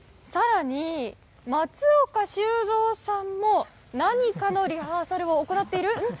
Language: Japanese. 更に、松岡修造さんも何かのリハーサルを行っている？